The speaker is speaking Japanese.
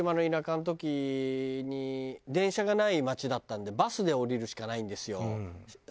電車がない街だったんでバスで降りるしかないんですよ